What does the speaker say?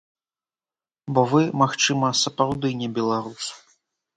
Бо вы, магчыма, сапраўды не беларус!